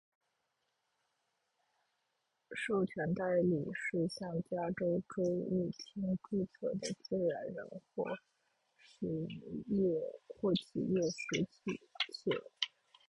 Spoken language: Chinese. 授权代理是向加州州务卿注册的自然人或企业实体；且